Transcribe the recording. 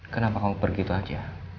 kenapa kau pergi gitu aja